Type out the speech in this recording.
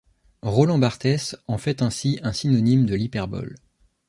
Roland Barthes en fait ainsi un synonyme de l'hyperbole.